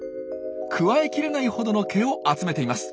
くわえきれないほどの毛を集めています。